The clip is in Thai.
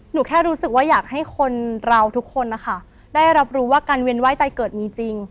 หนูแค่รู้สึกว่าอยากให้คนเราทุกคนนะคะได้รับรู้ว่าการเวียนไห้ไตเกิดมีจริง